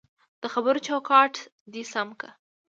دخبرو چوکاټ دی سم که